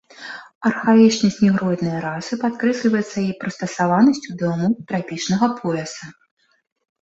Архаічнасць негроіднай расы падкрэсліваецца яе прыстасаванасцю да ўмоў трапічнага пояса.